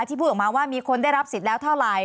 พูดออกมาว่ามีคนได้รับสิทธิ์แล้วเท่าไหร่